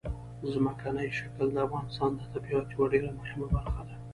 ځمکنی شکل د افغانستان د طبیعت یوه ډېره مهمه برخه ده.